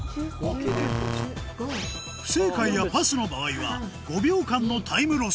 不正解やパスの場合は５秒間のタイムロス